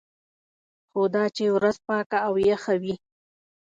خو دا چې ورځ پاکه او یخه وي.